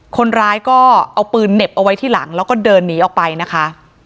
คนร้ายก็เอาปืนเหน็บเอาไว้ที่หลังแล้วก็เดินหนีออกไปนะคะ